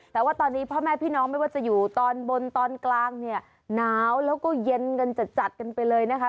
แต่ว่าตอนนี้พ่อแม่พี่น้องไม่ว่าจะอยู่ตอนบนตอนกลางเนี่ยหนาวแล้วก็เย็นกันจัดกันไปเลยนะคะ